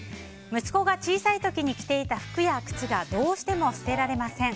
息子が小さい時に着ていた服や靴がどうしても捨てられません。